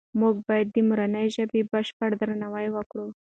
موږ باید د مورنۍ ژبې بشپړ درناوی وکړو.